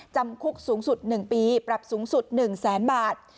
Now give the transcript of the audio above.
จำคุกสูงสุด๑ปีปรับสูงสุด๑แสนบาท